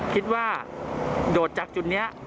คิดว่าโดดจากจุดนี้